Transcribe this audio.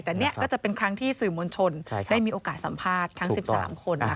แต่นี่ก็จะเป็นครั้งที่สื่อมวลชนได้มีโอกาสสัมภาษณ์ทั้ง๑๓คน